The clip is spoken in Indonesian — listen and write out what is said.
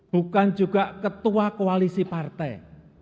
bukan juga ketua koalisi partai